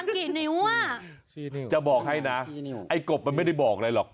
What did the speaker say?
ก็จะบอกให้นะไอ้กบมันไม่ได้บอกไหร่หรอก